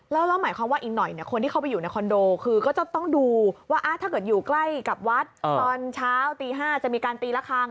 แล้วหมายความว่าอีกหน่อยคนที่เข้าไปอยู่ในคอนโดคือก็จะต้องดูว่าถ้าเกิดอยู่ใกล้กับวัดตอนเช้าตี๕จะมีการตีละครั้ง